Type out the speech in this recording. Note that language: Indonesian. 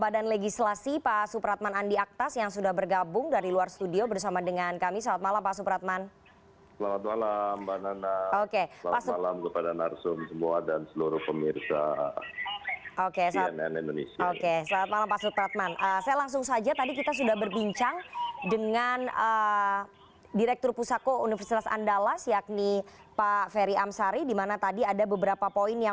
yang tidak berkaitan dengan kepentingan